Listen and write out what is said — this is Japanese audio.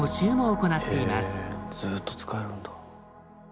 ずっと使えるんだ。